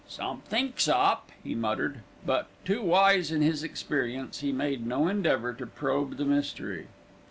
"Somethink's up," he muttered; but, too wise in his experience, he made no endeavour to probe the mystery.